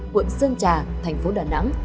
quận sơn trà thành phố đà nẵng